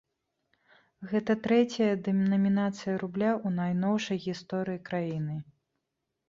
Гэта трэцяя дэнамінацыя рубля ў найноўшай гісторыі краіны.